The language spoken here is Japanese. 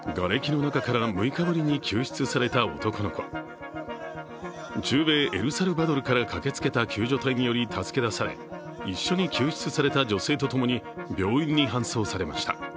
中米エルサルバドルから駆けつけた救助隊により助け出され一緒に救出された女性と共に病院に搬送されました。